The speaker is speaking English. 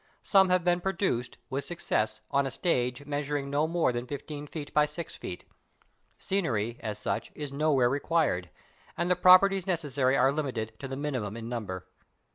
Some have been produced, with suc cess, on a stage measuring no more than fifteen feet by six feet. Scenery, as such^ is nowhere required, and the Properties necessary are limited to the minimum in number.